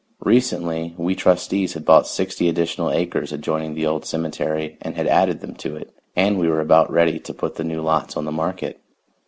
Recently we trustees had bought sixty additional acres adjoining the old cemetery and had added them to it, and we were about ready to put the new lots on the market.